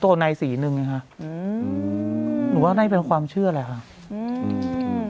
ตัวในสีหนึ่งเลยค่ะอืมหนูว่าได้เป็นความเชื่อแหละค่ะอืม